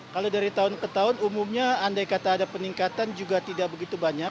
kalau dari tahun ke tahun umumnya andai kata ada peningkatan juga tidak begitu banyak